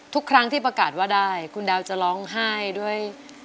ทุกครั้งที่ประกาศว่าได้คุณดาวจะร้องไห้ด้วย